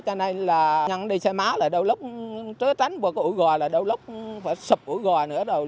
cho nên là nhắn đi xe má là đâu lúc trớ tránh qua cái ủi gò là đâu lúc phải sập ủi gò nữa